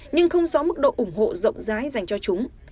nhưng không xóa mức độ ủng hộ rộng rãi dành cho chúng